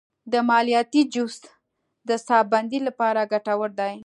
د مالټې جوس د ساه بندۍ لپاره ګټور دی.